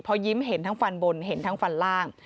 พอยิ้มเห็นทั้งฟันบนเห็นทั้งฟันล่าง